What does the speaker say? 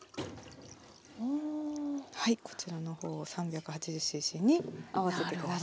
こちらの方を３８０ｃｃに合わせて下さい。